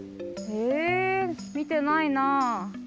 えみてないなあ。